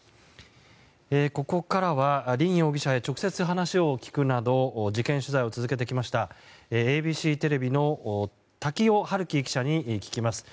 ここからは凜容疑者へ直接話を聞くなど事件取材を続けてきましたＡＢＣテレビの瀧尾春紀記者に聞きます。